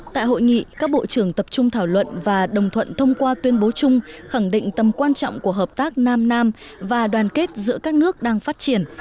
tại hội nghị các bộ trưởng tập trung thảo luận và đồng thuận thông qua tuyên bố chung khẳng định tầm quan trọng của hợp tác nam nam và đoàn kết giữa các nước đang phát triển